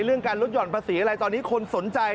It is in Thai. เรื่องการลดหย่อนภาษีอะไรตอนนี้คนสนใจ